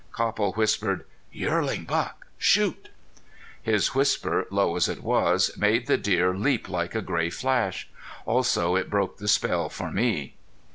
Copple whispered: "Yearlin' buck. Shoot!" His whisper, low as it was, made the deer leap like a gray flash. Also it broke the spell for me.